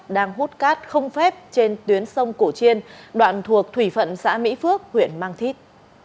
đang hút cát không phép trên tuyến sông cổ chiên đoạn thuộc thủy phận xã mỹ phước huyện mang thít